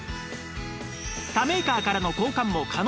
他メーカーからの交換も可能